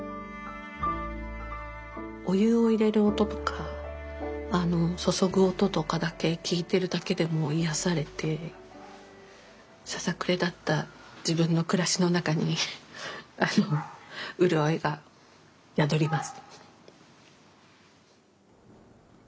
お湯を入れる音とか注ぐ音とかだけ聞いてるだけでも癒やされてささくれだった自分の暮らしの中に潤いが宿ります。